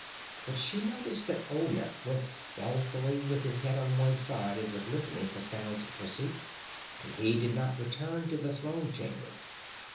But she noticed that Olmec went stealthily, with his head on one side as if listening for sounds of pursuit, and he did not return to the throne chamber.